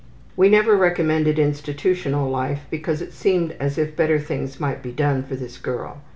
We never recommended institution life because it seemed as if better things might be done for this girl.